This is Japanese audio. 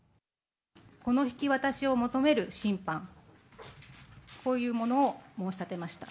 この引き渡しを求める審判、こういうものを申し立てました。